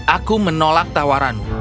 aku menolak tawaranmu